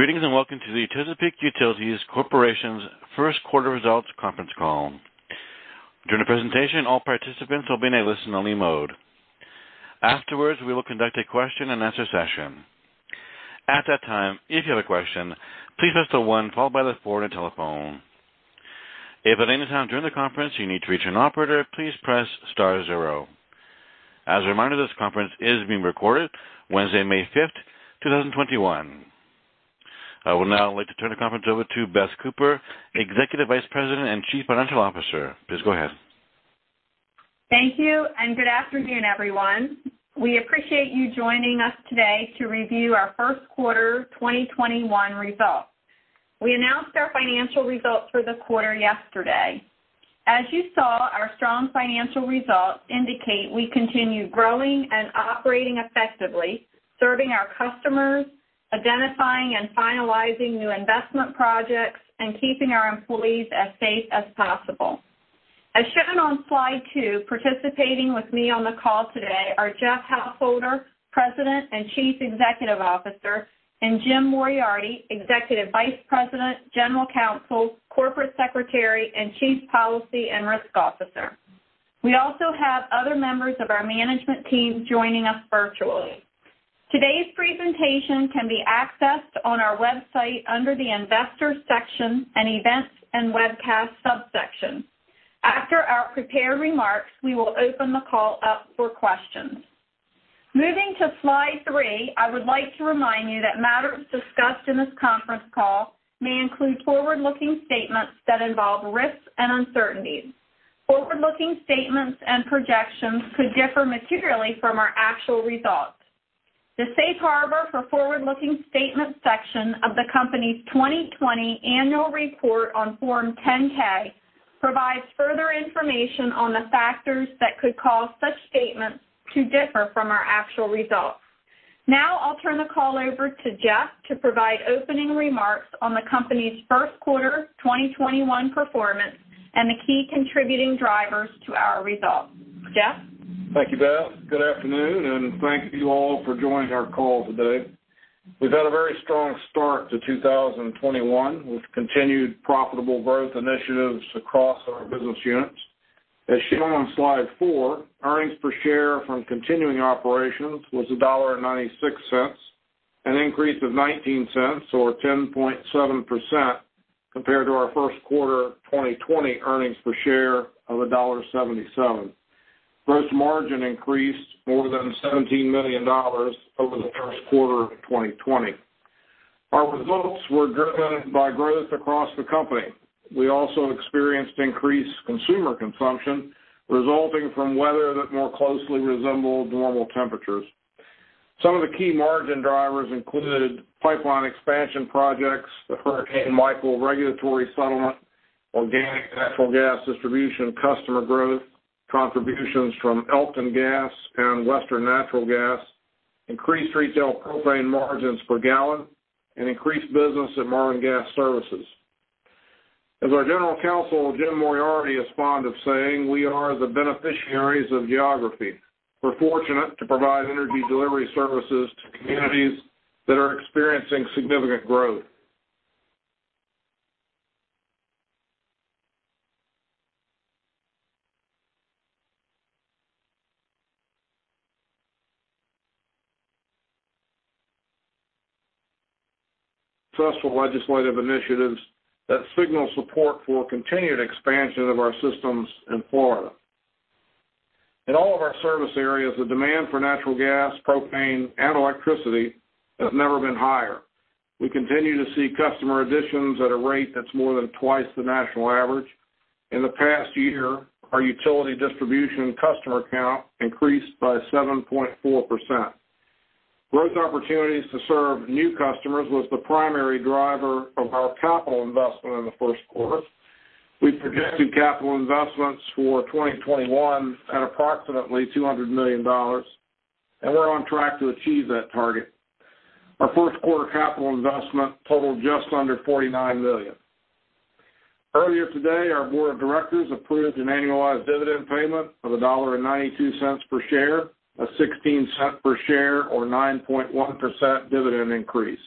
Greetings and welcome to the Chesapeake Utilities Corporation's 1st Quarter Results Conference Call. During the presentation, all participants will be in a listen-only mode. Afterwards, we will conduct a question-and-answer session. At that time, if you have a question, please press the one followed by the four on your telephone. If at any time during the conference you need to reach an operator, please press star zero. As a reminder, this conference is being recorded. Wednesday, May 5th, 2021. I would now like to turn the conference over to Beth Cooper, Executive Vice President and Chief Financial Officer. Please go ahead. Thank you and good afternoon, everyone. We appreciate you joining us today to review our 1st quarter 2021 results. We announced our financial results for the quarter yesterday. As you saw, our strong financial results indicate we continue growing and operating effectively, serving our customers, identifying and finalizing new investment projects, and keeping our employees as safe as possible. As shown on slide 2, participating with me on the call today are Jeff Householder, President and Chief Executive Officer, and James Moriarty, Executive Vice President, General Counsel, Corporate Secretary, and Chief Policy and Risk Officer. We also have other members of our management team joining us virtually. Today's presentation can be accessed on our website under the Investor section and Events and Webcast subsection. After our prepared remarks, we will open the call up for questions. Moving to slide 3, I would like to remind you that matters discussed in this conference call may include forward-looking statements that involve risks and uncertainties. Forward-looking statements and projections could differ materially from our actual results. The safe harbor for forward-looking statements section of the company's 2020 annual report on Form 10-K provides further information on the factors that could cause such statements to differ from our actual results. Now I'll turn the call over to Jeff to provide opening remarks on the company's 1st quarter 2021 performance and the key contributing drivers to our results. Jeff? Thank you, Beth. Good afternoon and thank you all for joining our call today. We've had a very strong start to 2021 with continued profitable growth initiatives across our business units. As shown on slide 4, earnings per share from continuing operations was $1.96, an increase of $0.19 or 10.7% compared to our 1st quarter 2020 earnings per share of $1.77. Gross margin increased more than $17 million over the 1st quarter of 2020. Our results were driven by growth across the company. We also experienced increased consumer consumption resulting from weather that more closely resembled normal temperatures. Some of the key margin drivers included pipeline expansion projects, the Hurricane Michael regulatory settlement, organic natural gas distribution, customer growth, contributions from Elkton Gas and Western Natural Gas, increased retail propane margins per gallon, and increased business at Marlin Gas Services. As our General Counsel, James Moriarty, has fond of saying, we are the beneficiaries of geography. We're fortunate to provide energy delivery services to communities that are experiencing significant growth. Successful legislative initiatives that signal support for continued expansion of our systems in Florida. In all of our service areas, the demand for natural gas, propane, and electricity has never been higher. We continue to see customer additions at a rate that's more than twice the national average. In the past year, our utility distribution customer count increased by 7.4%. Growth opportunities to serve new customers was the primary driver of our capital investment in the 1st quarter. We projected capital investments for 2021 at approximately $200 million, and we're on track to achieve that target. Our 1st quarter capital investment totaled just under $49 million. Earlier today, our board of directors approved an annualized dividend payment of $1.92 per share, a $0.16 per share or 9.1% dividend increase.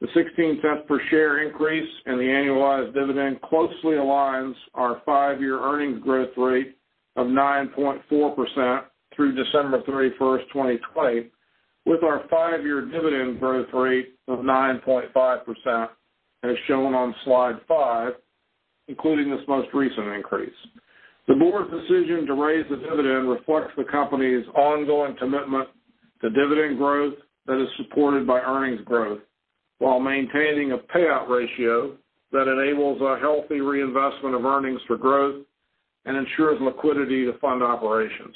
The $0.16 per share increase in the annualized dividend closely aligns our five-year earnings growth rate of 9.4% through December 31st, 2020, with our five-year dividend growth rate of 9.5%, as shown on slide 5, including this most recent increase. The board's decision to raise the dividend reflects the company's ongoing commitment to dividend growth that is supported by earnings growth while maintaining a payout ratio that enables a healthy reinvestment of earnings for growth and ensures liquidity to fund operations.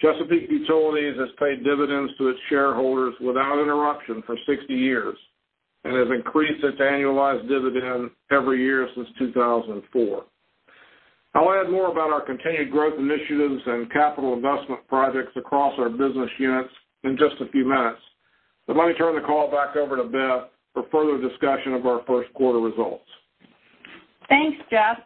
Chesapeake Utilities has paid dividends to its shareholders without interruption for 60 years and has increased its annualized dividend every year since 2004. I'll add more about our continued growth initiatives and capital investment projects across our business units in just a few minutes. But let me turn the call back over to Beth for further discussion of our 1st quarter results. Thanks, Jeff.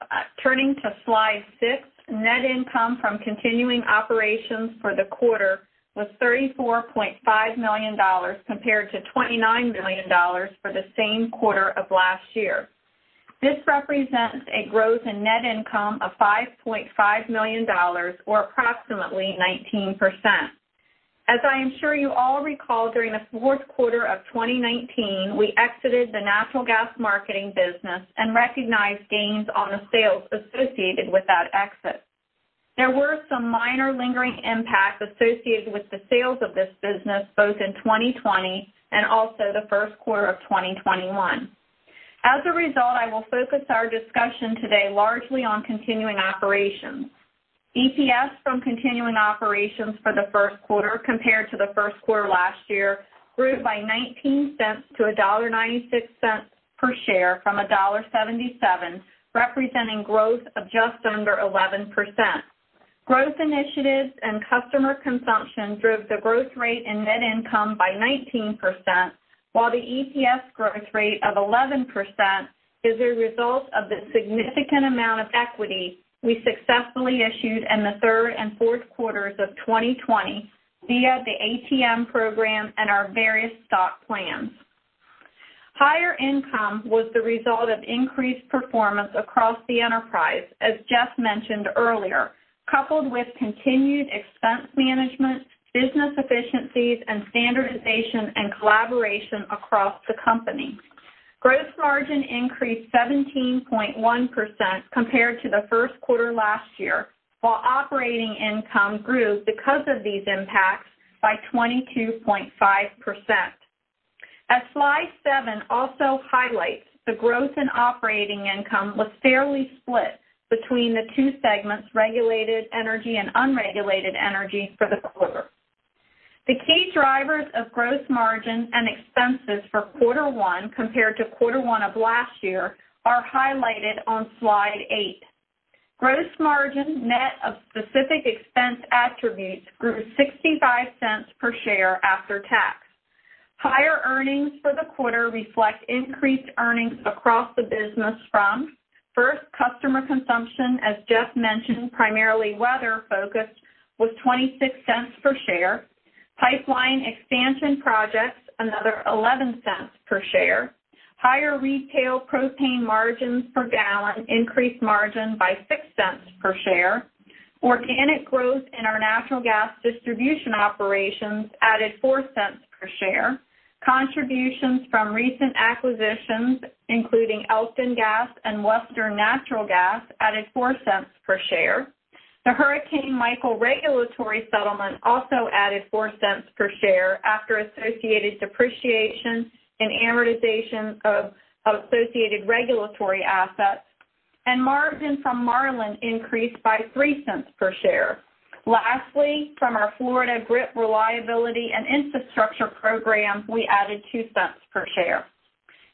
Turning to slide 6, net income from continuing operations for the quarter was $34.5 million compared to $29 million for the same quarter of last year. This represents a growth in net income of $5.5 million or approximately 19%. As I am sure you all recall, during the 4th quarter of 2019, we exited the natural gas marketing business and recognized gains on the sales associated with that exit. There were some minor lingering impacts associated with the sales of this business both in 2020 and also the 1st quarter of 2021. As a result, I will focus our discussion today largely on continuing operations. EPS from continuing operations for the 1st quarter compared to the 1st quarter last year grew by $0.19-$1.96 per share from $1.77, representing growth of just under 11%. Growth initiatives and customer consumption drove the growth rate in net income by 19%, while the EPS growth rate of 11% is a result of the significant amount of equity we successfully issued in the 3rd quarter and 4th quarters of 2020 via the ATM program and our various stock plans. Higher income was the result of increased performance across the enterprise, as Jeff mentioned earlier, coupled with continued expense management, business efficiencies, and standardization and collaboration across the company. Gross margin increased 17.1% compared to the 1st quarter last year, while operating income grew because of these impacts by 22.5%. As slide 7, also highlights, the growth in operating income was fairly split between the two segments, regulated energy and unregulated energy for the quarter. The key drivers of gross margin and expenses for quarter one compared to quarter one of last year are highlighted on slide eight. Gross margin net of specific expense attributes grew $0.65 per share after tax. Higher earnings for the quarter reflect increased earnings across the business from first customer consumption, as Jeff mentioned, primarily weather-focused, was $0.26 per share. Pipeline expansion projects, another $0.11 per share. Higher retail propane margins per gallon increased margin by $0.06 per share. Organic growth in our natural gas distribution operations added $0.04 per share. Contributions from recent acquisitions, including Elkton Gas and Western Natural Gas, added $0.04 per share. The Hurricane Michael regulatory settlement also added $0.04 per share after associated depreciation and amortization of associated regulatory assets. and margin from Marlin increased by $0.03 per share. Lastly, from our Florida GRIP reliability and infrastructure program, we added $0.02 per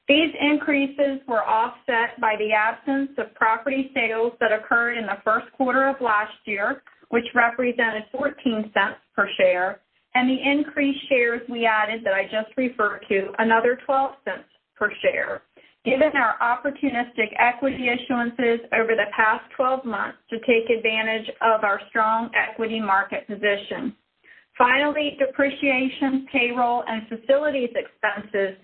share. These increases were offset by the absence of property sales that occurred in the 1st quarter of last year, which represented $0.14 per share, and the increased shares we added that I just referred to, another $0.12 per share, given our opportunistic equity issuances over the past 12 months to take advantage of our strong equity market position. Finally, depreciation, payroll, and facilities expenses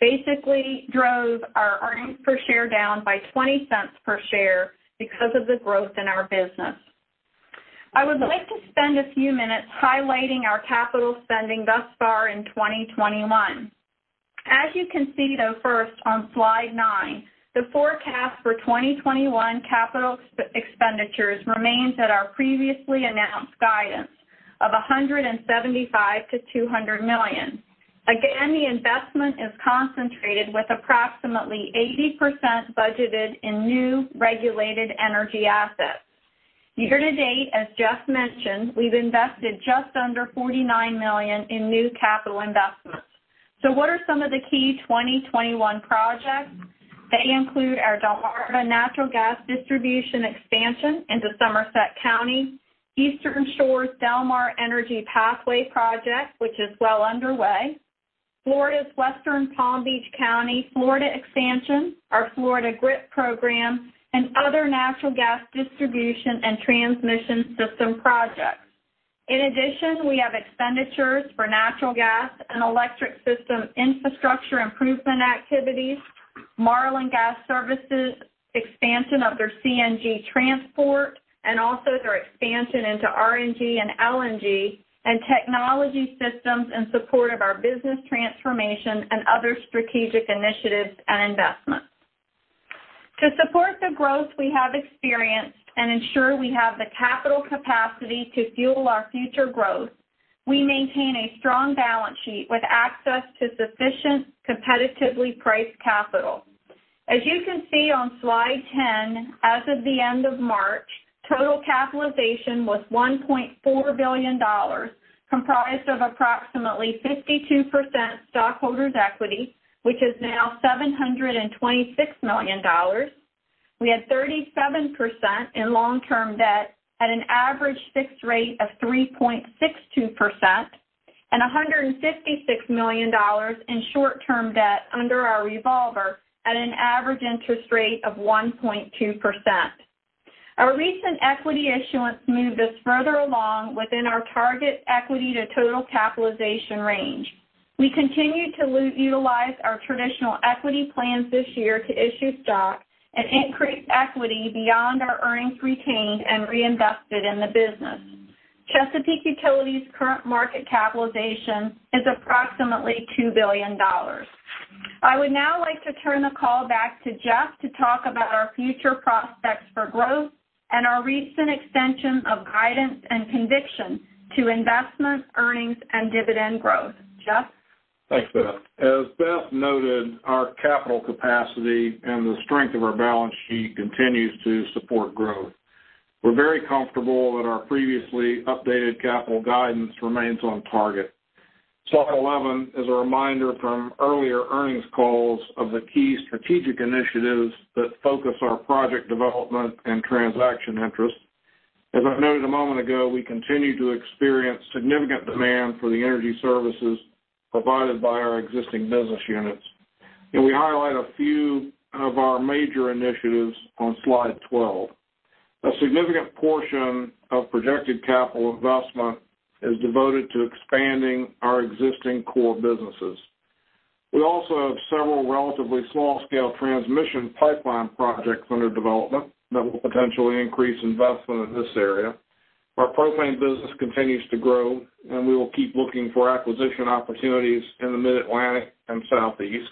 basically drove our earnings per share down by $0.20 per share because of the growth in our business. I would like to spend a few minutes highlighting our capital spending thus far in 2021. As you can see, though, first on slide 9, the forecast for 2021 capital expenditures remains at our previously announced guidance of $175 million-$200 million. Again, the investment is concentrated with approximately 80% budgeted in new regulated energy assets. Year-to-date, as Jeff mentioned, we've invested just under $49 million in new capital investments. So what are some of the key 2021 projects? They include our Delmarva Natural Gas Distribution expansion into Somerset County, Eastern Shore's Delmar Energy Pathway project, which is well underway, Florida's Western Palm Beach County Florida expansion, our Florida GRIP program, and other natural gas distribution and transmission system projects. In addition, we have expenditures for natural gas and electric system infrastructure improvement activities, Marlin Gas Services expansion of their CNG transport, and also their expansion into RNG and LNG and technology systems in support of our business transformation and other strategic initiatives and investments. To support the growth we have experienced and ensure we have the capital capacity to fuel our future growth, we maintain a strong balance sheet with access to sufficient competitively priced capital. As you can see on slide 10, as of the end of March, total capitalization was $1.4 billion, comprised of approximately 52% stockholders' equity, which is now $726 million. We had 37% in long-term debt at an average fixed rate of 3.62% and $156 million in short-term debt under our revolver at an average interest rate of 1.2%. Our recent equity issuance moved us further along within our target equity to total capitalization range. We continue to utilize our traditional equity plans this year to issue stock and increase equity beyond our earnings retained and reinvested in the business. Chesapeake Utilities' current market capitalization is approximately $2 billion. I would now like to turn the call back to Jeff to talk about our future prospects for growth and our recent extension of guidance and conviction to investment, earnings, and dividend growth. Jeff? Thanks, Beth. As Beth noted, our capital capacity and the strength of our balance sheet continues to support growth. We're very comfortable that our previously updated capital guidance remains on target. Slide 11 is a reminder from earlier earnings calls of the key strategic initiatives that focus our project development and transaction interests. As I noted a moment ago, we continue to experience significant demand for the energy services provided by our existing business units, and we highlight a few of our major initiatives on slide 12. A significant portion of projected capital investment is devoted to expanding our existing core businesses. We also have several relatively small-scale transmission pipeline projects under development that will potentially increase investment in this area. Our propane business continues to grow, and we will keep looking for acquisition opportunities in the Mid-Atlantic and Southeast.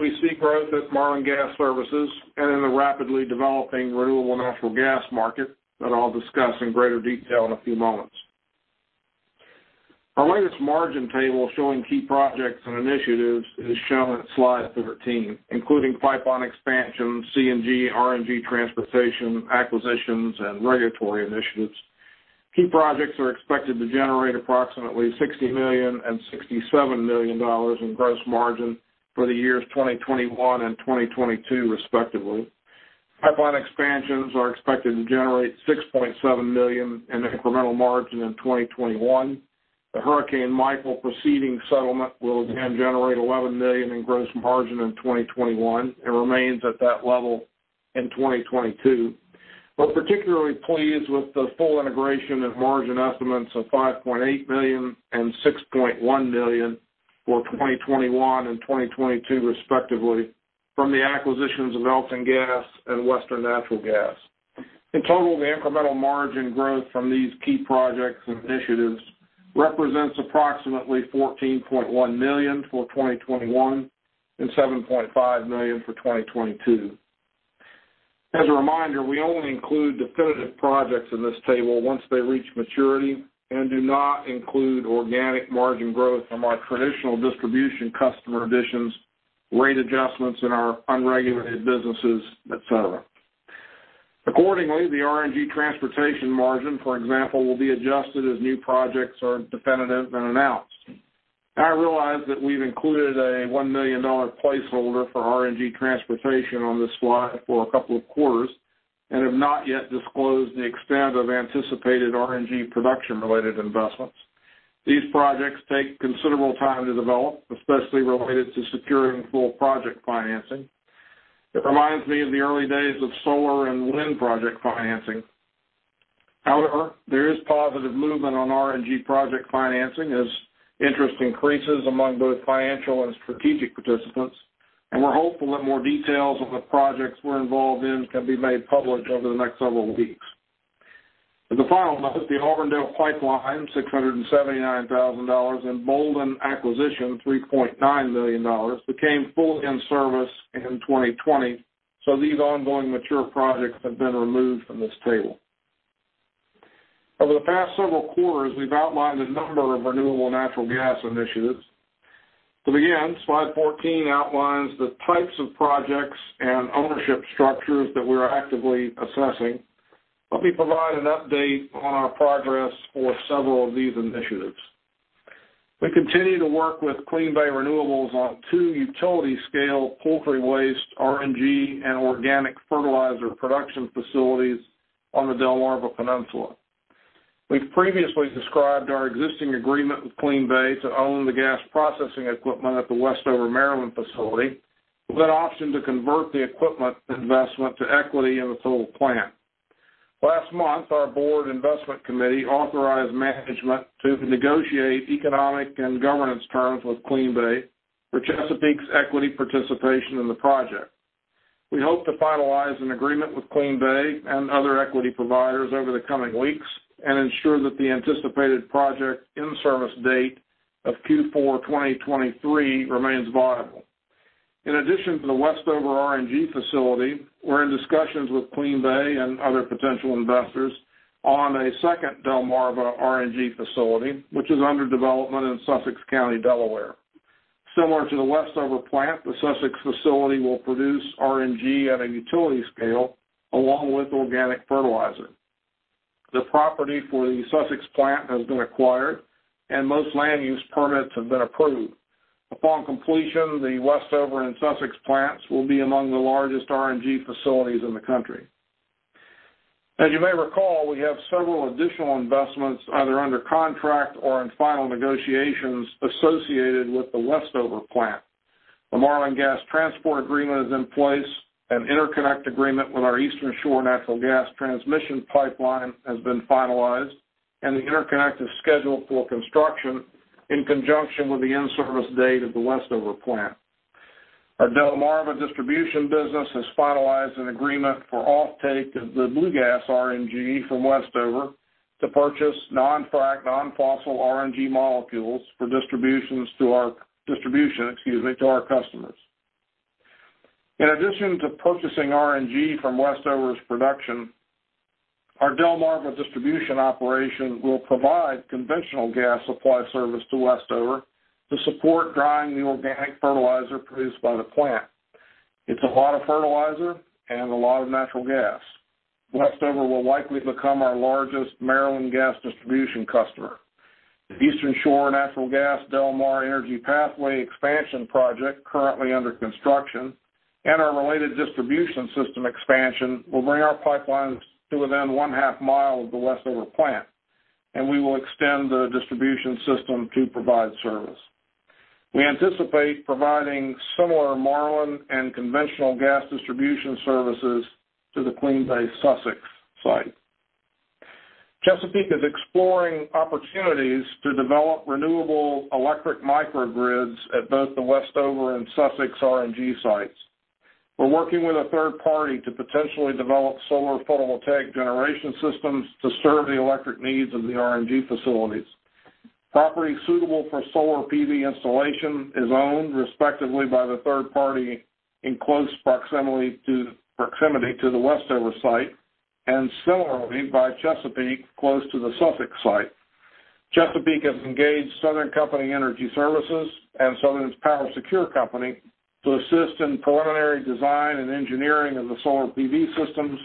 We see growth at Marlin Gas Services and in the rapidly developing renewable natural gas market that I'll discuss in greater detail in a few moments. Our latest margin table showing key projects and initiatives is shown at slide 13, including pipeline expansion, CNG, RNG transportation, acquisitions, and regulatory initiatives. Key projects are expected to generate approximately $60 million and $67 million in gross margin for the years 2021 and 2022, respectively. Pipeline expansions are expected to generate $6.7 million in incremental margin in 2021. The Hurricane Michael proceeding settlement will again generate $11 million in gross margin in 2021 and remains at that level in 2022. We're particularly pleased with the full integration of margin estimates of $5.8 million and $6.1 million for 2021 and 2022, respectively, from the acquisitions of Elkton Gas and Western Natural Gas. In total, the incremental margin growth from these key projects and initiatives represents approximately $14.1 million for 2021 and $7.5 million for 2022. As a reminder, we only include definitive projects in this table once they reach maturity and do not include organic margin growth from our traditional distribution customer additions, rate adjustments in our unregulated businesses, etc. Accordingly, the RNG transportation margin, for example, will be adjusted as new projects are definitive and announced. I realize that we've included a $1 million placeholder for RNG transportation on this slide for a couple of quarters and have not yet disclosed the extent of anticipated RNG production-related investments. These projects take considerable time to develop, especially related to securing full project financing. It reminds me of the early days of solar and wind project financing. However, there is positive movement on RNG project financing as interest increases among both financial and strategic participants, and we're hopeful that more details on the projects we're involved in can be made public over the next several weeks. As a final note, the Auburndale Pipeline, $679,000, and Boulden Acquisition, $3.9 million, became fully in service in 2020, so these ongoing mature projects have been removed from this table. Over the past several quarters, we've outlined a number of renewable natural gas initiatives. To begin, slide 14 outlines the types of projects and ownership structures that we're actively assessing. Let me provide an update on our progress for several of these initiatives. We continue to work with Clean Bay Renewables on two utility-scale poultry waste, RNG, and organic fertilizer production facilities on the Delmarva Peninsula. We've previously described our existing agreement with Clean Bay to own the gas processing equipment at the Westover, Maryland facility with an option to convert the equipment investment to equity in the full plant. Last month, our board investment committee authorized management to negotiate economic and governance terms with Clean Bay for Chesapeake's equity participation in the project. We hope to finalize an agreement with Clean Bay and other equity providers over the coming weeks and ensure that the anticipated project in-service date of Q4 2023 remains viable. In addition to the Westover RNG facility, we're in discussions with Clean Bay and other potential investors on a second Delmarva RNG facility, which is under development in Sussex County, Delaware. Similar to the Westover plant, the Sussex facility will produce RNG at a utility scale along with organic fertilizer. The property for the Sussex plant has been acquired, and most land use permits have been approved. Upon completion, the Westover and Sussex plants will be among the largest RNG facilities in the country. As you may recall, we have several additional investments either under contract or in final negotiations associated with the Westover plant. The Marlin Gas Transport Agreement is in place. An interconnect agreement with our Eastern Shore Natural Gas Transmission Pipeline has been finalized, and the interconnect is scheduled for construction in conjunction with the in-service date of the Westover plant. Our Delmarva Distribution business has finalized an agreement for offtake of the biogas RNG from Westover to purchase non-fract, non-fossil RNG molecules for distribution to our customers. In addition to purchasing RNG from Westover's production, our Delmarva Distribution operation will provide conventional gas supply service to Westover to support drying the organic fertilizer produced by the plant. It's a lot of fertilizer and a lot of natural gas. Westover will likely become our largest Maryland gas distribution customer. The Eastern Shore Natural Gas Delmar Energy Pathway expansion project, currently under construction, and our related distribution system expansion will bring our pipelines to within one-half mile of the Westover plant, and we will extend the distribution system to provide service. We anticipate providing similar Marlin and conventional gas distribution services to the Clean Bay Sussex site. Chesapeake is exploring opportunities to develop renewable electric microgrids at both the Westover and Sussex RNG sites. We're working with a third party to potentially develop solar photovoltaic generation systems to serve the electric needs of the RNG facilities. Property suitable for solar PV installation is owned, respectively, by the third party in close proximity to the Westover site and similarly by Chesapeake close to the Sussex site. Chesapeake has engaged Southern Company Energy Services and PowerSecure to assist in preliminary design and engineering of the solar PV systems,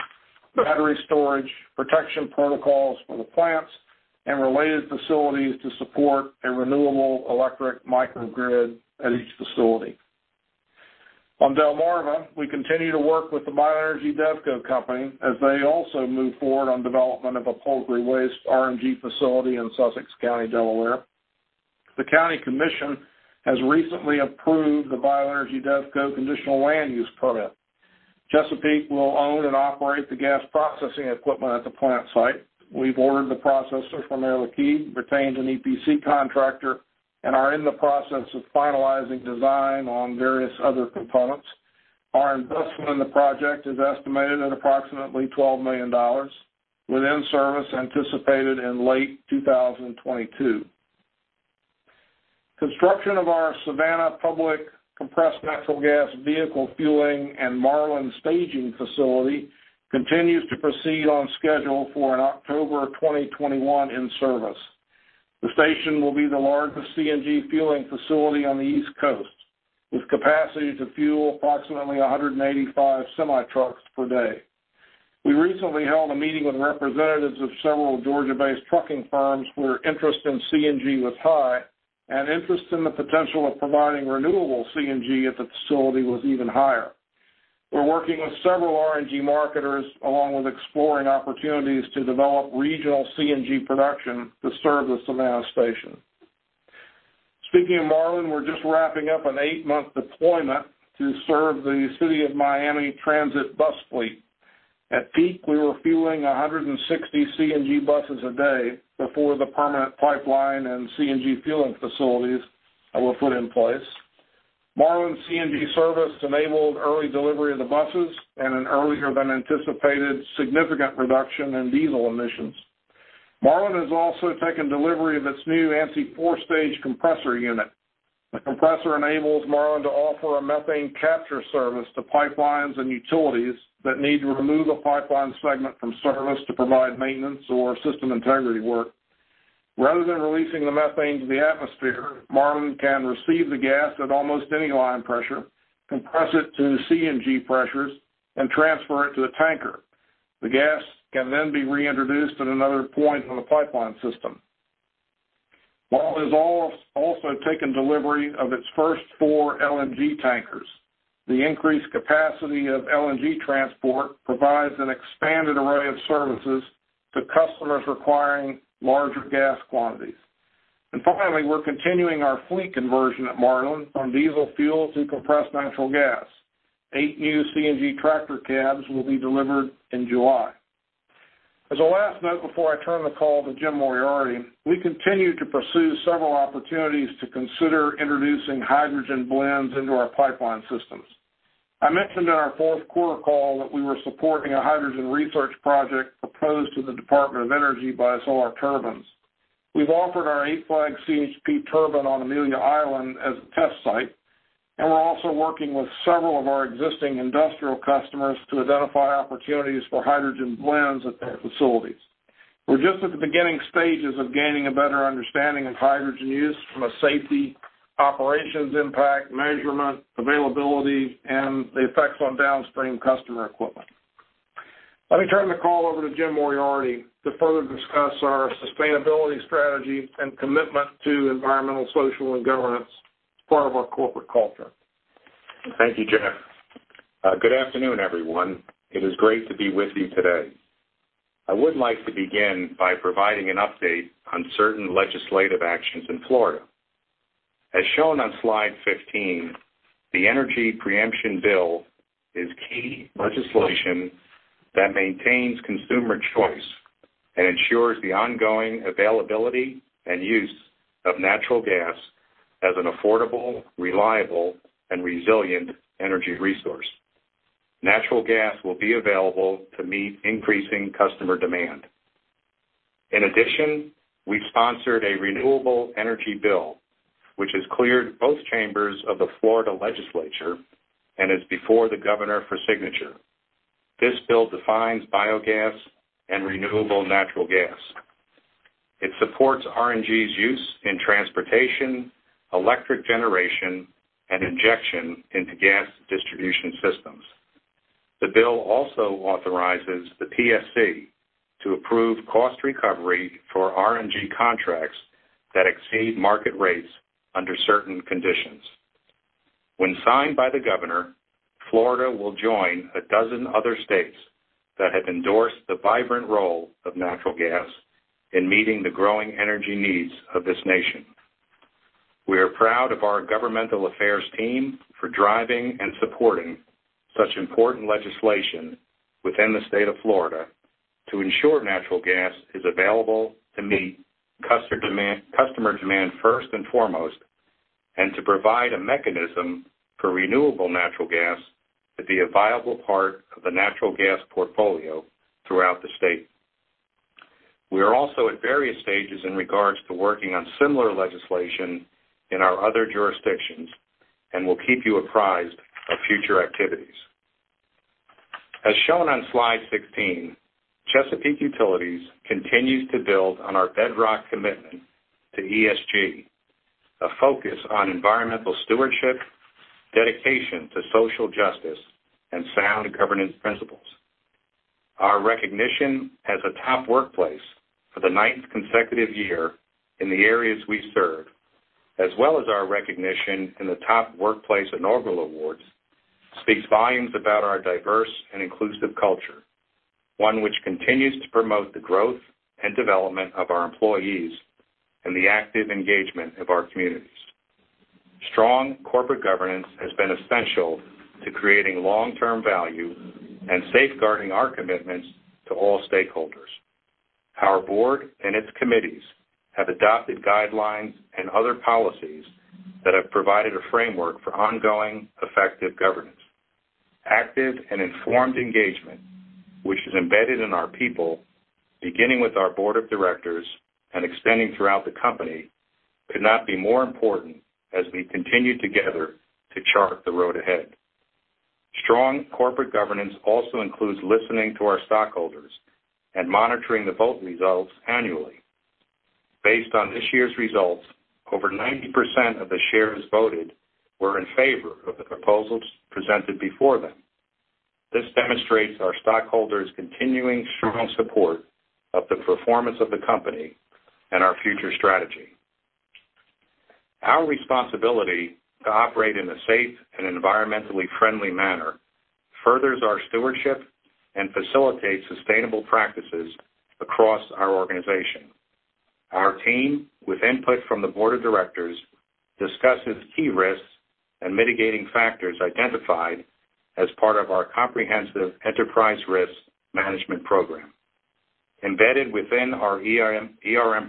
battery storage, protection protocols for the plants, and related facilities to support a renewable electric microgrid at each facility. On Delmarva, we continue to work with the Bioenergy DevCo as they also move forward on development of a poultry waste RNG facility in Sussex County, Delaware. The county commission has recently approved the Bioenergy DevCo conditional land use permit. Chesapeake will own and operate the gas processing equipment at the plant site. We've ordered the processor from Air Liquide, retained an EPC contractor, and are in the process of finalizing design on various other components. Our investment in the project is estimated at approximately $12 million with in-service anticipated in late 2022. Construction of our Savannah Public Compressed Natural Gas Vehicle Fueling and Marlin Staging Facility continues to proceed on schedule for an October 2021 in-service. The station will be the largest CNG fueling facility on the East Coast with capacity to fuel approximately 185 semi-trucks per day. We recently held a meeting with representatives of several Georgia-based trucking firms where interest in CNG was high and interest in the potential of providing renewable CNG at the facility was even higher. We're working with several RNG marketers along with exploring opportunities to develop regional CNG production to serve the Savannah Station. Speaking of Marlin, we're just wrapping up an eight-month deployment to serve the City of Miami transit bus fleet. At peak, we were fueling 160 CNG buses a day before the permanent pipeline and CNG fueling facilities were put in place. Marlin's CNG service enabled early delivery of the buses and an earlier-than-anticipated significant reduction in diesel emissions. Marlin has also taken delivery of its new four-stage compressor unit. The compressor enables Marlin to offer a methane capture service to pipelines and utilities that need to remove a pipeline segment from service to provide maintenance or system integrity work. Rather than releasing the methane to the atmosphere, Marlin can receive the gas at almost any line pressure, compress it to CNG pressures, and transfer it to a tanker. The gas can then be reintroduced at another point on the pipeline system. Marlin has also taken delivery of its first four LNG tankers. The increased capacity of LNG transport provides an expanded array of services to customers requiring larger gas quantities, and finally, we're continuing our fleet conversion at Marlin from diesel fuel to compressed natural gas. Eight new CNG tractor cabs will be delivered in July. As a last note before I turn the call to James Moriarty, we continue to pursue several opportunities to consider introducing hydrogen blends into our pipeline systems. I mentioned in our 4th quarter call that we were supporting a hydrogen research project proposed to the Department of Energy by Solar Turbines. We've offered our Eight Flags CHP turbine on Amelia Island as a test site, and we're also working with several of our existing industrial customers to identify opportunities for hydrogen blends at their facilities. We're just at the beginning stages of gaining a better understanding of hydrogen use from a safety, operations impact, measurement, availability, and the effects on downstream customer equipment. Let me turn the call over to James Moriarty to further discuss our sustainability strategy and commitment to environmental, social, and governance as part of our corporate culture. Thank you, Jeff. Good afternoon, everyone. It is great to be with you today. I would like to begin by providing an update on certain legislative actions in Florida. As shown on slide 15, the Energy Preemption Bill is key legislation that maintains consumer choice and ensures the ongoing availability and use of natural gas as an affordable, reliable, and resilient energy resource. Natural gas will be available to meet increasing customer demand. In addition, we sponsored a Renewable Energy Bill, which has cleared both chambers of the Florida legislature and is before the governor for signature. This bill defines biogas and renewable natural gas. It supports RNG's use in transportation, electric generation, and injection into gas distribution systems. The bill also authorizes the PSC to approve cost recovery for RNG contracts that exceed market rates under certain conditions. When signed by the governor, Florida will join a dozen other states that have endorsed the vibrant role of natural gas in meeting the growing energy needs of this nation. We are proud of our governmental affairs team for driving and supporting such important legislation within the state of Florida to ensure natural gas is available to meet customer demand first and foremost and to provide a mechanism for renewable natural gas to be a viable part of the natural gas portfolio throughout the state. We are also at various stages in regards to working on similar legislation in our other jurisdictions and will keep you apprised of future activities. As shown on slide 16, Chesapeake Utilities continues to build on our bedrock commitment to ESG, a focus on environmental stewardship, dedication to social justice, and sound governance principles. Our recognition as a top workplace for the ninth consecutive year in the areas we serve, as well as our recognition in the top workplace inaugural awards, speaks volumes about our diverse and inclusive culture, one which continues to promote the growth and development of our employees and the active engagement of our communities. Strong corporate governance has been essential to creating long-term value and safeguarding our commitments to all stakeholders. Our board and its committees have adopted guidelines and other policies that have provided a framework for ongoing effective governance. Active and informed engagement, which is embedded in our people, beginning with our board of directors and extending throughout the company, could not be more important as we continue together to chart the road ahead. Strong corporate governance also includes listening to our stockholders and monitoring the vote results annually. Based on this year's results, over 90% of the shares voted were in favor of the proposals presented before them. This demonstrates our stockholders' continuing strong support of the performance of the company and our future strategy. Our responsibility to operate in a safe and environmentally friendly manner furthers our stewardship and facilitates sustainable practices across our organization. Our team, with input from the board of directors, discusses key risks and mitigating factors identified as part of our comprehensive enterprise risk management program. Embedded within our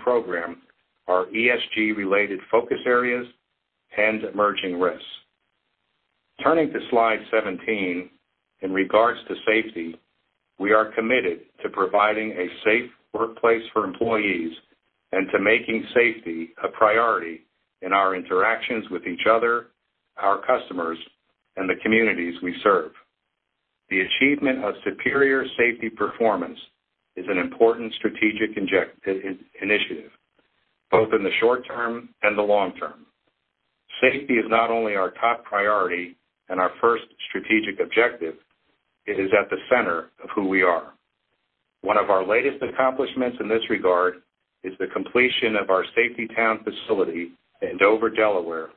program are ESG-related focus areas and emerging risks. Turning to slide 17, in regards to safety, we are committed to providing a safe workplace for employees and to making safety a priority in our interactions with each other, our customers, and the communities we serve. The achievement of superior safety performance is an important strategic initiative, both in the short term and the long term. Safety is not only our top priority and our first strategic objective. It is at the center of who we are. One of our latest accomplishments in this regard is the completion of our Safety Town facility in Dover, Delaware,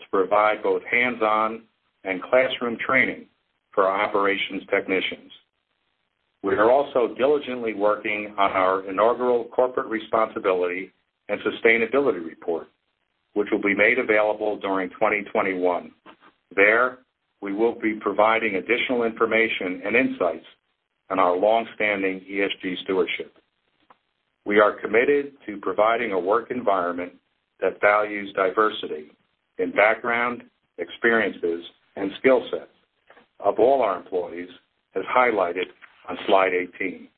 to provide both hands-on and classroom training for our operations technicians. We are also diligently working on our inaugural corporate responsibility and sustainability report, which will be made available during 2021. There, we will be providing additional information and insights on our longstanding ESG stewardship. We are committed to providing a work environment that values diversity in background, experiences, and skill sets of all our employees, as highlighted on slide 18.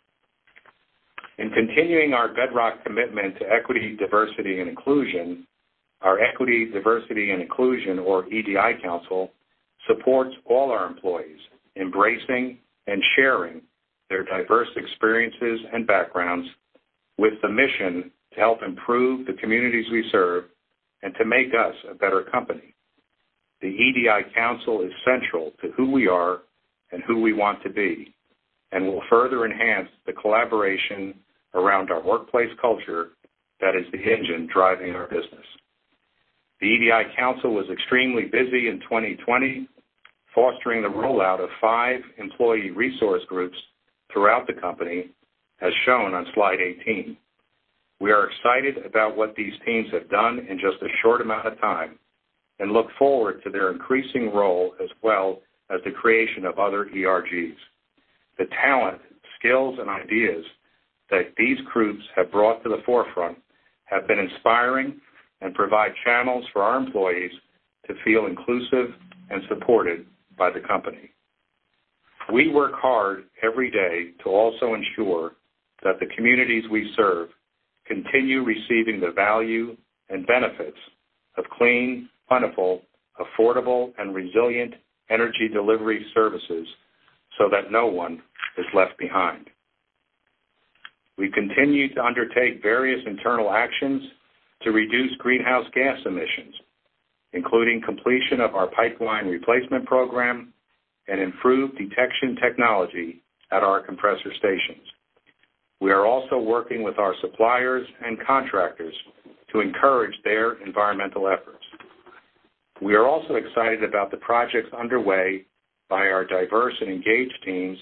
In continuing our bedrock commitment to equity, diversity, and inclusion, our Equity, Diversity, and Inclusion, or EDI Council, supports all our employees embracing and sharing their diverse experiences and backgrounds with the mission to help improve the communities we serve and to make us a better company. The EDI Council is central to who we are and who we want to be and will further enhance the collaboration around our workplace culture that is the engine driving our business. The EDI Council was extremely busy in 2020, fostering the rollout of five employee resource groups throughout the company, as shown on slide 18. We are excited about what these teams have done in just a short amount of time and look forward to their increasing role as well as the creation of other ERGs. The talent, skills, and ideas that these groups have brought to the forefront have been inspiring and provide channels for our employees to feel inclusive and supported by the company. We work hard every day to also ensure that the communities we serve continue receiving the value and benefits of clean, plentiful, affordable, and resilient energy delivery services so that no one is left behind. We continue to undertake various internal actions to reduce greenhouse gas emissions, including completion of our pipeline replacement program and improved detection technology at our compressor stations. We are also working with our suppliers and contractors to encourage their environmental efforts. We are also excited about the projects underway by our diverse and engaged teams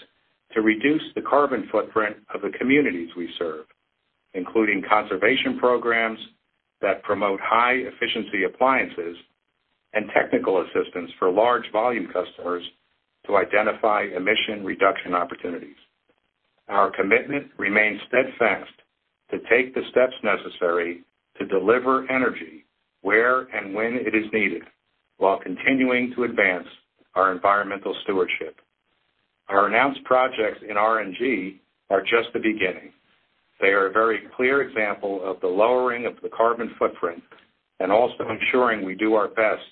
to reduce the carbon footprint of the communities we serve, including conservation programs that promote high-efficiency appliances and technical assistance for large-volume customers to identify emission reduction opportunities. Our commitment remains steadfast to take the steps necessary to deliver energy where and when it is needed while continuing to advance our environmental stewardship. Our announced projects in RNG are just the beginning. They are a very clear example of the lowering of the carbon footprint and also ensuring we do our best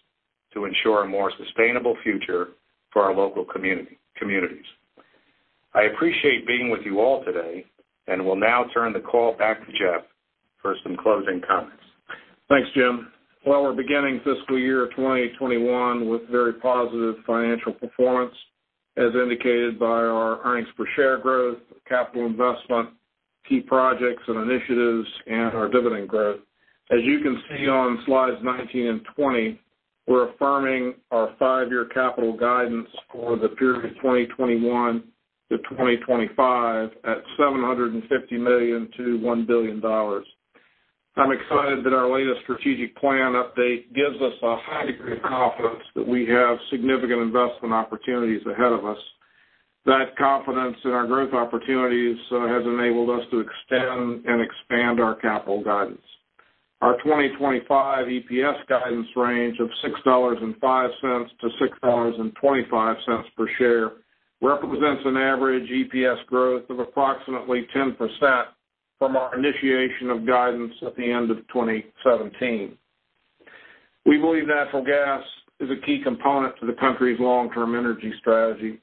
to ensure a more sustainable future for our local communities. I appreciate being with you all today and will now turn the call back to Jeff for some closing comments. Thanks, Jim. Well, we're beginning fiscal year 2021 with very positive financial performance, as indicated by our earnings per share growth, capital investment, key projects and initiatives, and our dividend growth. As you can see on slides 19 and 20, we're affirming our five-year capital guidance for the period 2021 to 2025 at $750 million-$1 billion. I'm excited that our latest strategic plan update gives us a high degree of confidence that we have significant investment opportunities ahead of us. That confidence in our growth opportunities has enabled us to extend and expand our capital guidance. Our 2025 EPS guidance range of $6.05-$6.25 per share represents an average EPS growth of approximately 10% from our initiation of guidance at the end of 2017. We believe natural gas is a key component to the country's long-term energy strategy.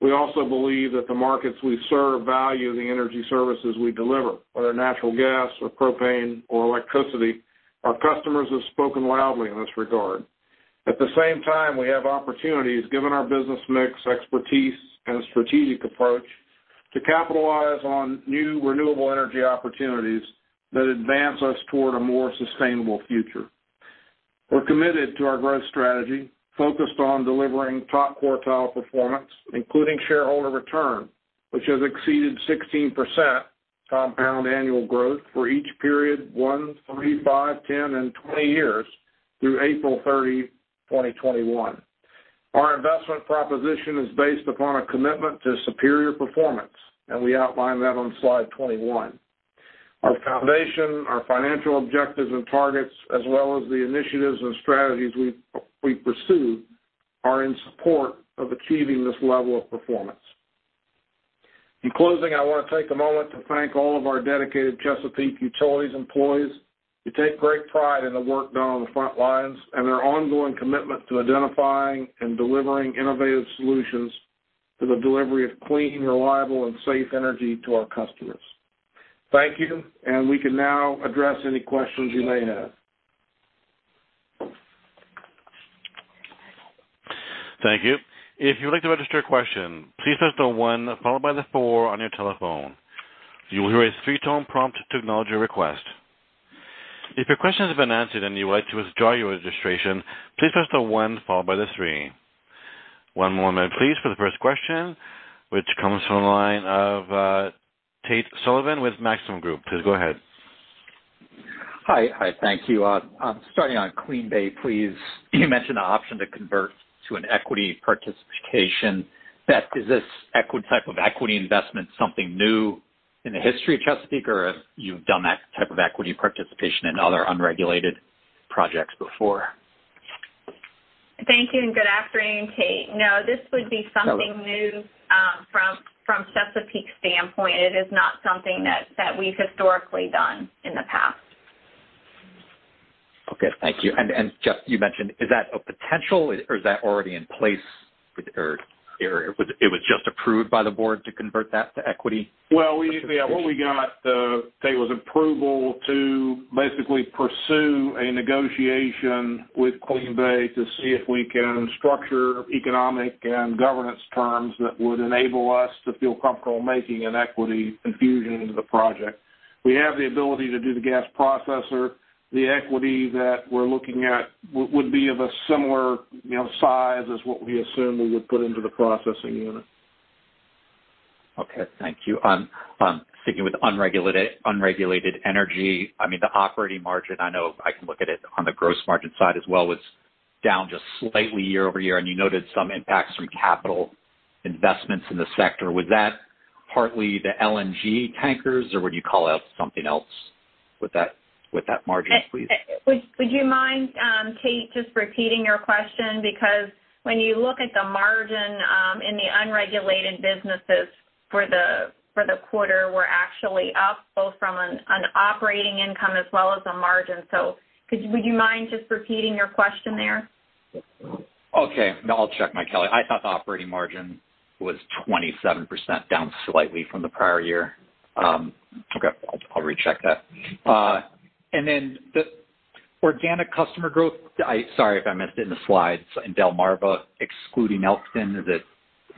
We also believe that the markets we serve value the energy services we deliver, whether natural gas or propane or electricity. Our customers have spoken loudly in this regard. At the same time, we have opportunities, given our business mix, expertise, and strategic approach, to capitalize on new renewable energy opportunities that advance us toward a more sustainable future. We're committed to our growth strategy, focused on delivering top quartile performance, including shareholder return, which has exceeded 16% compound annual growth for each period 1, 3, 5, 10, and 20 years through April 30th, 2021. Our investment proposition is based upon a commitment to superior performance, and we outline that on slide 21. Our foundation, our financial objectives and targets, as well as the initiatives and strategies we pursue, are in support of achieving this level of performance. In closing, I want to take a moment to thank all of our dedicated Chesapeake Utilities employees. You take great pride in the work done on the front lines and their ongoing commitment to identifying and delivering innovative solutions for the delivery of clean, reliable, and safe energy to our customers. Thank you, and we can now address any questions you may have. Thank you. If you would like to register a question, please press the one followed by the four on your telephone. You will hear a three-tone prompt to acknowledge your request. If your question has been answered and you would like to withdraw your registration, please press the one followed by the three. One moment, please, for the first question, which comes from the line of Tate Sullivan with Maxim Group. Please go ahead. Hi. Hi. Thank you. Starting on Clean Bay, please, you mentioned the option to convert to an equity participation. Is this type of equity investment something new in the history of Chesapeake, or have you done that type of equity participation in other unregulated projects before? Thank you, and good afternoon, Tate. No, this would be something new from Chesapeake's standpoint. It is not something that we've historically done in the past. Okay. Thank you. Jeff, you mentioned, is that a potential, or is that already in place, or it was just approved by the board to convert that to equity? Well, what we got today was approval to basically pursue a negotiation with Clean Bay to see if we can structure economic and governance terms that would enable us to feel comfortable making an equity infusion into the project. We have the ability to do the gas processor. The equity that we're looking at would be of a similar size as what we assume we would put into the processing unit. Okay. Thank you. Speaking with unregulated energy, I mean, the operating margin, I know I can look at it on the gross margin side as well, was down just slightly year-over-year, and you noted some impacts from capital investments in the sector. Was that partly the LNG tankers, or would you call out something else with that margin, please? Would you mind, Tate, just repeating your question? Because when you look at the margin in the unregulated businesses for the quarter, we're actually up both from an operating income as well as a margin. So would you mind just repeating your question there? Okay. No, I'll check my calendar. I thought the operating margin was 27% down slightly from the prior year. Okay. I'll recheck that. And then the organic customer growth, sorry if I missed it in the slides, in Delmarva, excluding Elkton,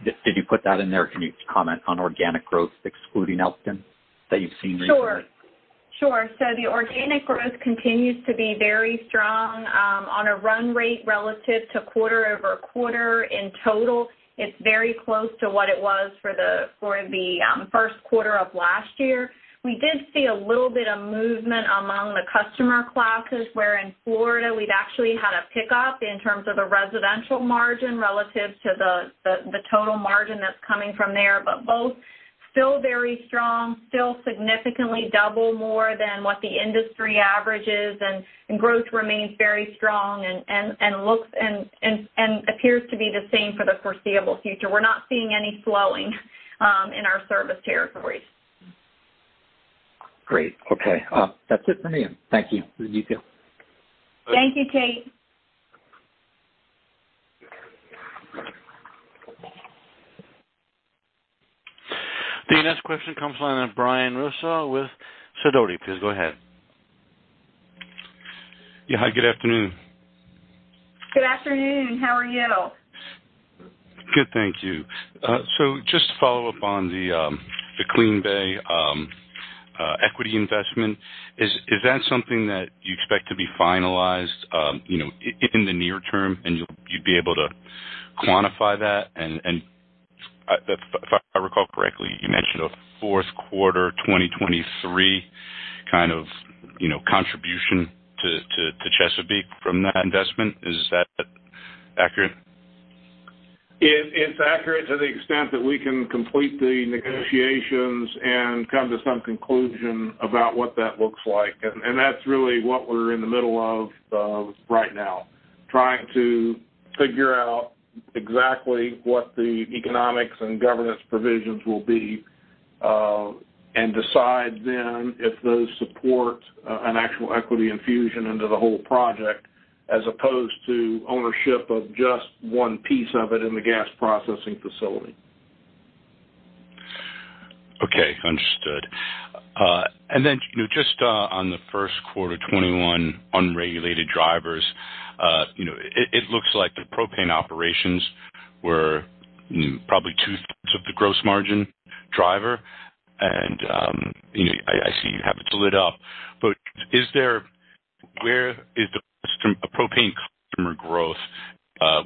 did you put that in there? Can you comment on organic growth, excluding Elkton, that you've seen recently? Sure. Sure. So the organic growth continues to be very strong on a run rate relative to quarter-over-quarter in total. It's very close to what it was for the first quarter of last year. We did see a little bit of movement among the customer classes, where in Florida, we've actually had a pickup in terms of the residential margin relative to the total margin that's coming from there. But both still very strong, still significantly double more than what the industry average is, and growth remains very strong and appears to be the same for the foreseeable future. We're not seeing any slowing in our service territories. Great. Okay. That's it for me. Thank you. Thank you, Tate. The next question comes from Brian Russo with Sidoti. Please go ahead. Yeah. Hi. Good afternoon. Good afternoon. How are you? Good. Thank you. Just to follow up on the Clean Bay equity investment, is that something that you expect to be finalized in the near term, and you'd be able to quantify that? If I recall correctly, you mentioned a 4th quarter 2023 kind of contribution to Chesapeake from that investment. Is that accurate? It's accurate to the extent that we can complete the negotiations and come to some conclusion about what that looks like. That's really what we're in the middle of right now, trying to figure out exactly what the economics and governance provisions will be and decide then if those support an actual equity infusion into the whole project as opposed to ownership of just one piece of it in the gas processing facility. Okay. Understood. Then just on the 1st quarter 2021, unregulated drivers, it looks like the propane operations were probably 2/3 of the gross margin driver. And I see you have it split up. But where is the propane customer growth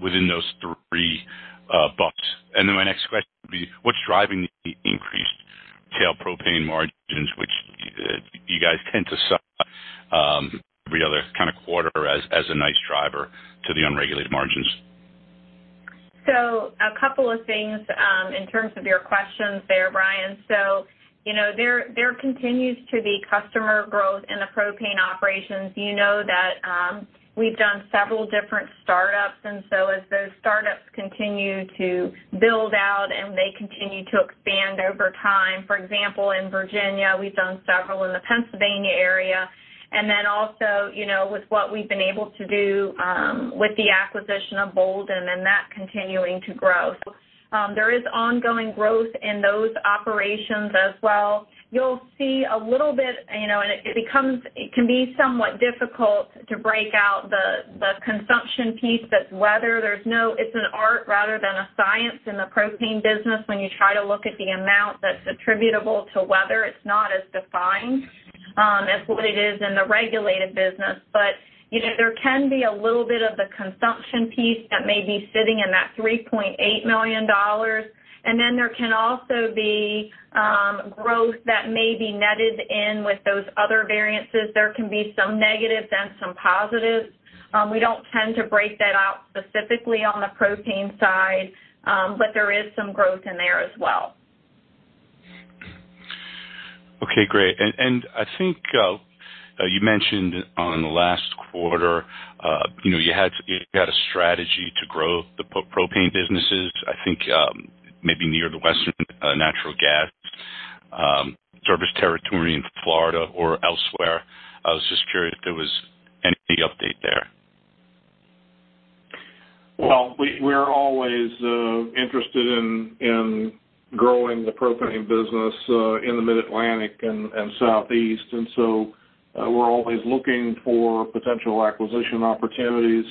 within those three bumps? And then my next question would be, what's driving the increased retail propane margins, which you guys tend to sell every other kind of quarter as a nice driver to the unregulated margins? So a couple of things in terms of your questions there, Brian. So there continues to be customer growth in the propane operations. You know that we've done several different startups. And so as those startups continue to build out and they continue to expand over time, for example, in Virginia, we've done several in the Pennsylvania area. And then also with what we've been able to do with the acquisition of Boulden and that continuing to grow. There is ongoing growth in those operations as well. You'll see a little bit, and it can be somewhat difficult to break out the consumption piece that's weather. It's an art rather than a science in the propane business when you try to look at the amount that's attributable to weather. It's not as defined as what it is in the regulated business. But there can be a little bit of the consumption piece that may be sitting in that $3.8 million. And then there can also be growth that may be netted in with those other variances. There can be some negatives and some positives. We don't tend to break that out specifically on the propane side, but there is some growth in there as well. Okay. Great. I think you mentioned on the last quarter you had a strategy to grow the propane businesses, I think maybe near the Western Natural Gas service territory in Florida or elsewhere. I was just curious if there was any update there. We're always interested in growing the propane business in the Mid-Atlantic and Southeast. We're always looking for potential acquisition opportunities.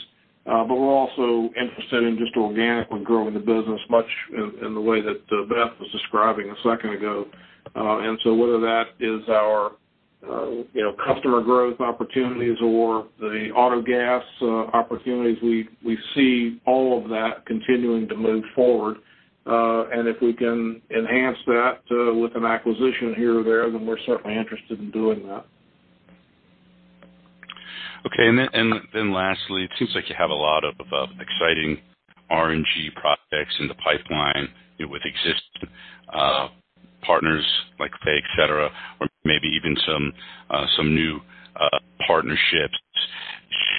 We're also interested in just organically growing the business, much in the way that Beth was describing a second ago. Whether that is our customer growth opportunities or the auto gas opportunities, we see all of that continuing to move forward. If we can enhance that with an acquisition here or there, then we're certainly interested in doing that. Okay. And then lastly, it seems like you have a lot of exciting RNG projects in the pipeline with existing partners like Fay, etc., or maybe even some new partnerships.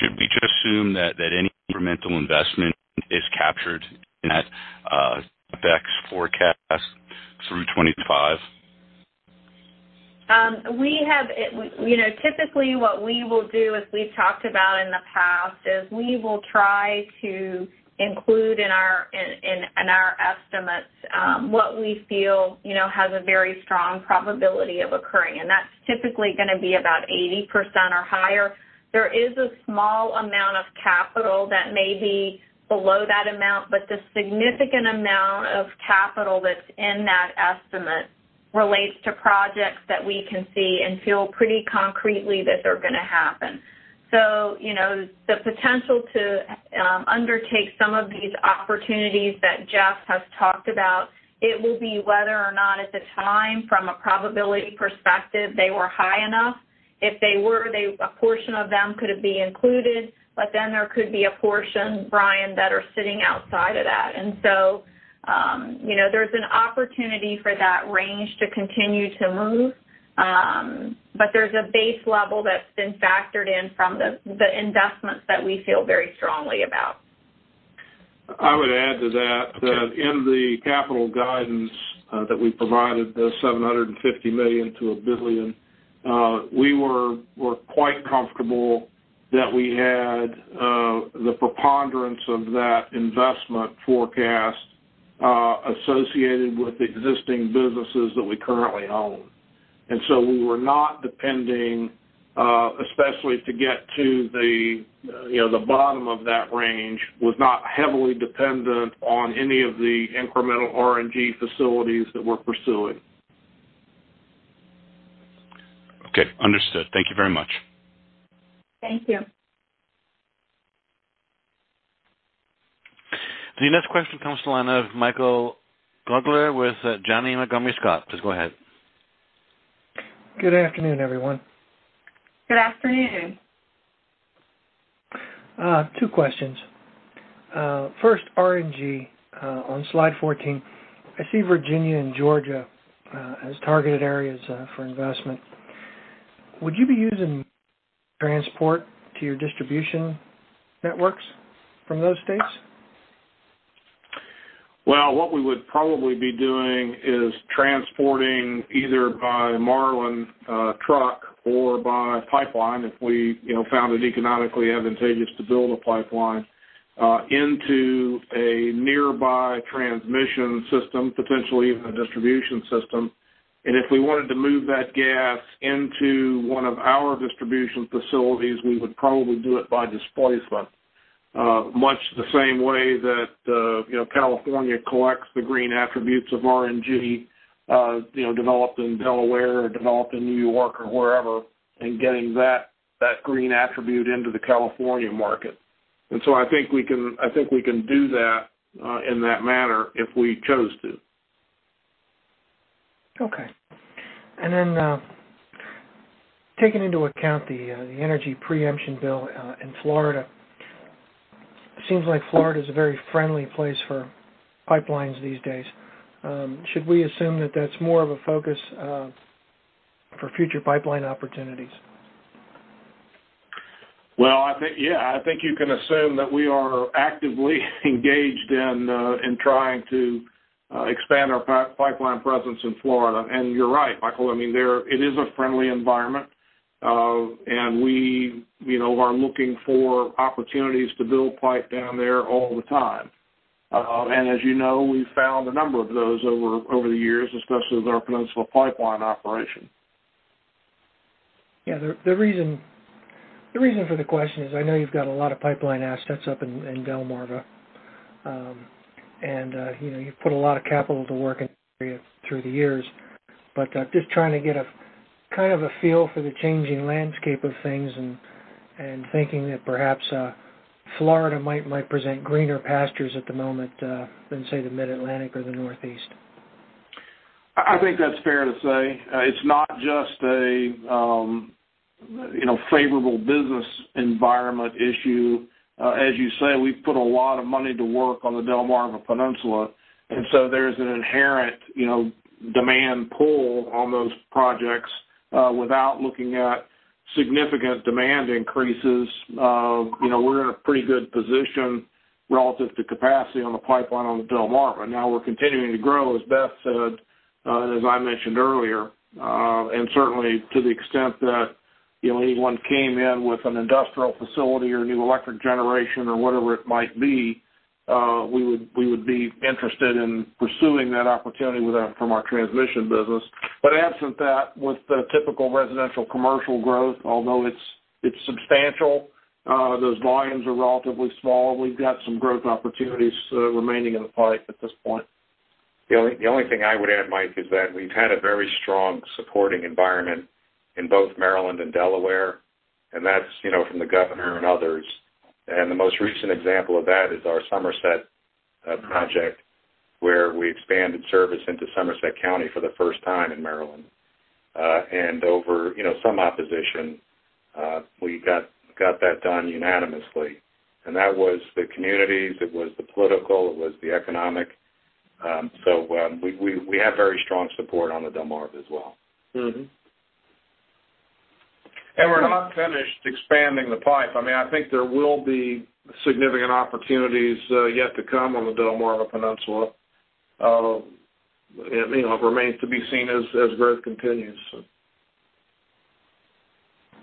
Should we just assume that any incremental investment is captured in that Beth's forecast through 2025? Typically, what we will do, as we've talked about in the past, is we will try to include in our estimates what we feel has a very strong probability of occurring. And that's typically going to be about 80% or higher. There is a small amount of capital that may be below that amount, but the significant amount of capital that's in that estimate relates to projects that we can see and feel pretty concretely that they're going to happen. So the potential to undertake some of these opportunities that Jeff has talked about, it will be whether or not at the time, from a probability perspective, they were high enough. If they were, a portion of them could be included, but then there could be a portion, Brian, that are sitting outside of that. And so there's an opportunity for that range to continue to move, but there's a base level that's been factored in from the investments that we feel very strongly about. I would add to that, in the capital guidance that we provided, the $750 million-$1 billion, we were quite comfortable that we had the preponderance of that investment forecast associated with existing businesses that we currently own. And so we were not depending, especially to get to the bottom of that range, was not heavily dependent on any of the incremental RNG facilities that we're pursuing. Okay. Understood. Thank you very much. Thank you. The next question comes to the line of Michael Gaugler with Janney Montgomery Scott. Please go ahead. Good afternoon, everyone. Good afternoon. Two questions. First, RNG. On slide 14, I see Virginia and Georgia as targeted areas for investment. Would you be using transport to your distribution networks from those states? Well, what we would probably be doing is transporting either by Marlin truck or by pipeline if we found it economically advantageous to build a pipeline into a nearby transmission system, potentially even a distribution system. If we wanted to move that gas into one of our distribution facilities, we would probably do it by displacement, much the same way that California collects the green attributes of RNG developed in Delaware or developed in New York or wherever, and getting that green attribute into the California market. I think we can do that in that manner if we chose to. Okay. Taking into account the energy preemption bill in Florida, it seems like Florida is a very friendly place for pipelines these days. Should we assume that that's more of a focus for future pipeline opportunities? Yeah, I think you can assume that we are actively engaged in trying to expand our pipeline presence in Florida. You're right, Michael. I mean, it is a friendly environment, and we are looking for opportunities to build pipe down there all the time. And as you know, we've found a number of those over the years, especially with our peninsula pipeline operation. Yeah. The reason for the question is I know you've got a lot of pipeline assets up in Delmarva, and you've put a lot of capital to work in the area through the years. But just trying to get kind of a feel for the changing landscape of things and thinking that perhaps Florida might present greener pastures at the moment than, say, the Mid-Atlantic or the Northeast. I think that's fair to say. It's not just a favorable business environment issue. As you say, we've put a lot of money to work on the Delmarva Peninsula. And so there's an inherent demand pull on those projects without looking at significant demand increases. We're in a pretty good position relative to capacity on the pipeline on Delmarva. Now we're continuing to grow, as Beth said, and as I mentioned earlier. And certainly, to the extent that anyone came in with an industrial facility or new electric generation or whatever it might be, we would be interested in pursuing that opportunity from our transmission business. But absent that, with the typical residential commercial growth, although it's substantial, those volumes are relatively small. We've got some growth opportunities remaining in the pipe at this point. The only thing I would add, Mike, is that we've had a very strong supporting environment in both Maryland and Delaware, and that's from the governor and others. And the most recent example of that is our Somerset project, where we expanded service into Somerset County for the first time in Maryland. And over some opposition, we got that done unanimously. And that was the communities. It was the political. It was the economic. So we have very strong support on the Delmarva as well. And we're not finished expanding the pipe. I mean, I think there will be significant opportunities yet to come on the Delmarva Peninsula. It remains to be seen as growth continues.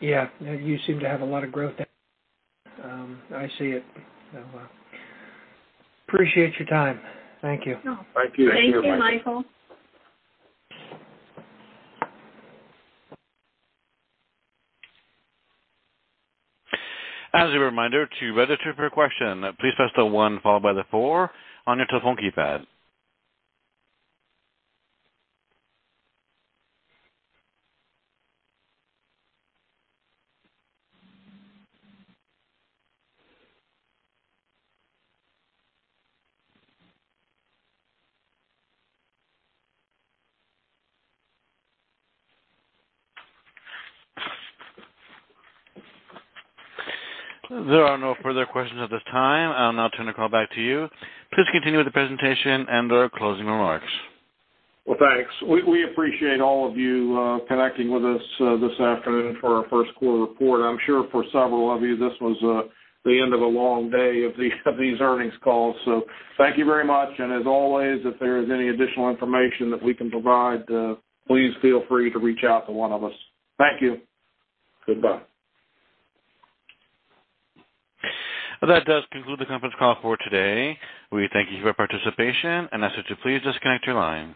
Yeah. You seem to have a lot of growth there. I see it. Appreciate your time. Thank you. Thank you. Thank you, Michael. As a reminder, to register for your question, please press the one followed by the four on your telephone keypad. There are no further questions at this time. I'll now turn the call back to you. Please continue with the presentation and/or closing remarks. Well, thanks. We appreciate all of you connecting with us this afternoon for our 1st quarter report. I'm sure for several of you, this was the end of a long day of these earnings calls. So thank you very much. And as always, if there is any additional information that we can provide, please feel free to reach out to one of us. Thank you. Goodbye. That does conclude the conference call for today. We thank you for your participation. And ask that you please disconnect your line.